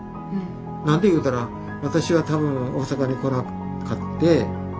何でいうたら私は多分大阪に来なかって。